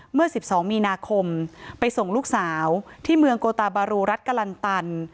เมื่อ๑๒มีนาคมไปส่งลูกสาวที่เมืองโกตาบารูรัฐกะลันตัน